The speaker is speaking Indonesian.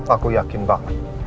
aku yakin banget